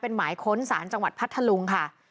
เป็นหมายค้นศาลจังหวัดพัทธลุงค่ะ